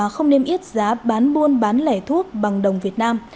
không niêm yết giá bán buôn bán lẻ thuốc bằng đồng việt nam